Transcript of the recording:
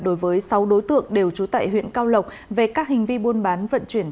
đối với sáu đối tượng đều trú tại huyện cao lộc về các hành vi buôn bán vận chuyển